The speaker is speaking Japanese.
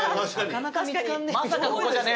なかなか見つかんねぇ。